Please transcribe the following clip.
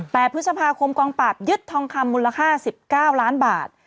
พฤษภาคมกองปราบยึดทองคำมูลค่า๑๙ล้านบาท